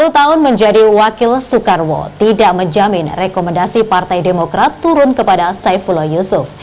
sepuluh tahun menjadi wakil soekarwo tidak menjamin rekomendasi partai demokrat turun kepada saifullah yusuf